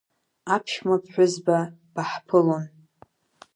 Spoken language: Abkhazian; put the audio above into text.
Аԥшәма ԥҳәызба баҳԥылон…